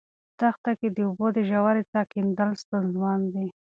په دښته کې د اوبو د ژورې څاه کیندل ستونزمن دي.